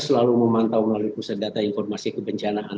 selalu memantau melalui pusat data informasi kebencanaan